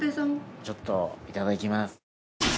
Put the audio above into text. ちょっといただきます。